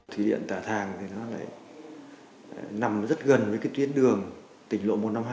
thủy điện tà thàng thì nó lại nằm rất gần với cái tuyến đường tỉnh lộ một trăm năm mươi hai